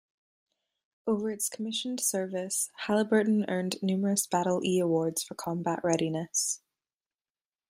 Over its commissioned service, "Halyburton" earned numerous Battle 'E' awards for combat readiness.